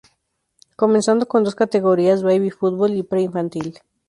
Comenzando con dos categorías Baby-Futbol y Pre-Infantil.